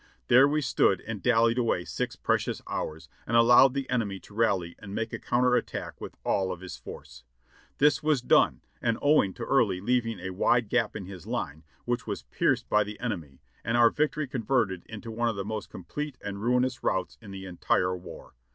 There we stood and dallied away six precious hours, and allowed the enemy to rally and make a counter attack with all of his force. This was done, and owing to Early leaving a wide gap in his line, which was pierced by the enemy, and our victory converted into one of the most complete and ruinous routs in the entire war.